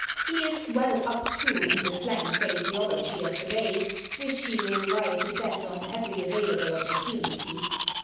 He is well up, too, in the slang phraseology of the day, which he will ride to death on every available opportunity.